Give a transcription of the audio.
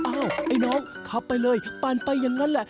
ไอ้น้องขับไปเลยปั่นไปอย่างนั้นแหละ